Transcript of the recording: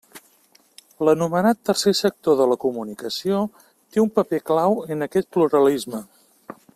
L'anomenat tercer sector de la comunicació té un paper clau en aquest pluralisme.